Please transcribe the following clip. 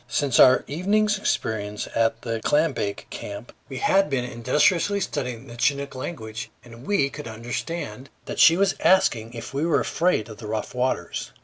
Since our evening's experience at the clambake camp, we had been industriously studying the Chinook language, and we could understand that she was asking if we were afraid of the rough waters.